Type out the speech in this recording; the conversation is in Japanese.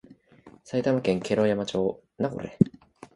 埼玉県毛呂山町